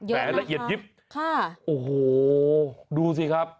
แหมละเอียดยิบโอ้โหดูสิครับ